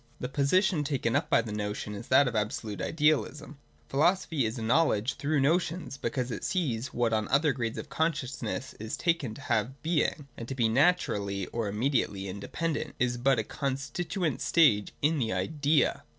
The position taken up by the notion is that of absolute idealism. Philosophy is a knowledge through notions be cause it sees that what on other grades of consciousness is taken to have Being, and to be naturally or immediately independent, is but a constituent stage in the Idea.